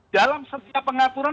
dalam setiap pengaturan